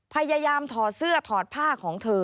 พยายามถอดเสื้อถอดผ้าของเธอ